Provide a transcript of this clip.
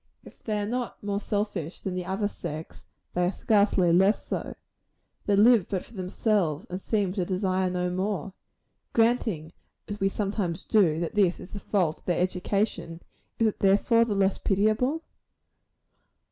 If they are not more selfish than the other sex, they are scarcely less so. They live but for themselves, and seem to desire no more. Granting, as we sometimes do, that this is the fault of their education, is it therefore the less pitiable?